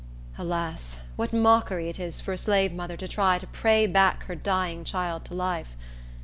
Alas, what mockery it is for a slave mother to try to pray back her dying child to life!